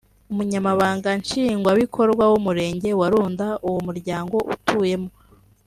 Umunyamabanga Nshingwabikorwa w’Umurenge wa Runda uwo muryango utuyemo